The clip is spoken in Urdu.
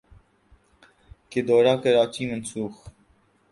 کا دورہ کراچی منسوخ